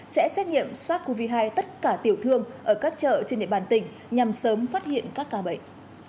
sẽ xét nghiệm sars cov hai tất cả tiểu thương ở các chợ trên địa bàn tỉnh nhằm sớm phát hiện các ca bệnh